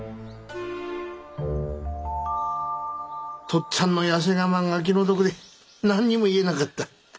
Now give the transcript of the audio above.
とっつぁんの痩せ我慢が気の毒で何にも言えなかった。